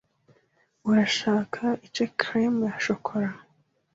Urashaka ice cream ya shokora?